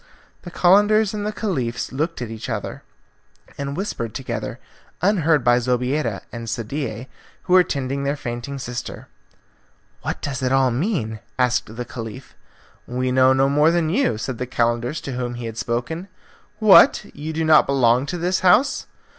The Calenders and the Caliph looked at each other, and whispered together, unheard by Zobeida and Sadie, who were tending their fainting sister. "What does it all mean?' asked the Caliph. "We know no more than you," said the Calender to whom he had spoken. "What! You do not belong to the house?"